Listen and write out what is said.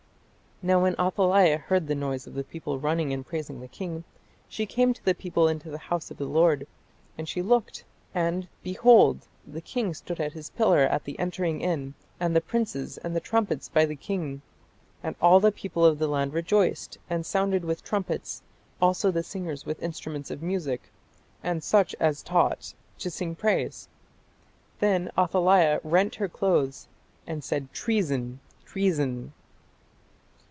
"Now when Athaliah heard the noise of the people running and praising the king, she came to the people into the house of the Lord: and she looked, and, behold the king stood at his pillar at the entering in, and the princes and the trumpets by the king: and all the people of the land rejoiced, and sounded with trumpets, also the singers with instruments of musick, and such as taught to sing praise. Then Athaliah rent her clothes, and said, Treason, Treason.